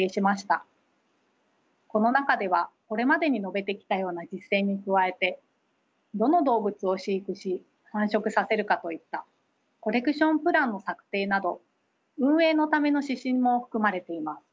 この中ではこれまでに述べてきたような実践に加えてどの動物を飼育し繁殖させるかといったコレクションプランの策定など運営のための指針も含まれています。